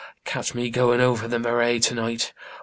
catch me going over the marais to night.